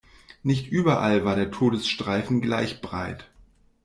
Nicht überall war der Todesstreifen gleich breit.